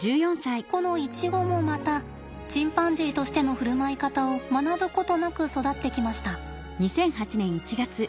このイチゴもまたチンパンジーとしての振る舞い方を学ぶことなく育ってきました。